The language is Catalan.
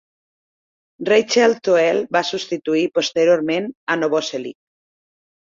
Rachel Thoele va substituir posteriorment a Novoselic.